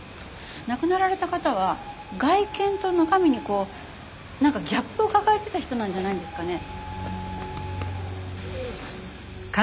亡くなられた方は外見と中身にこうなんかギャップを抱えてた人なんじゃないんですかね。